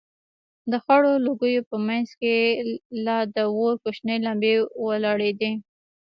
د خړو لوگيو په منځ کښې لا د اور کوچنۍ لمبې ولاړېدې.